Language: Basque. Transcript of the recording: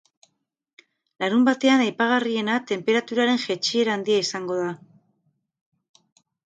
Larunbatean aipagarriena tenperaturaren jaitsiera handia izango da.